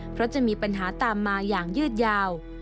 เพราะจะมีปัญหาตามมาอย่างยืดยาว